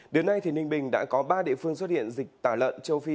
đến nay ninh bình đã có ba địa phương xuất hiện dịch tả lợn châu phi